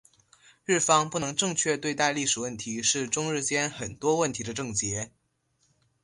日方不能正确对待历史问题是中日间很多问题的症结。